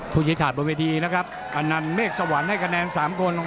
ภูชิภาษณ์บนเวทีนะครับอันนั้นเมฆสวรรค์ให้คะแนนสามคน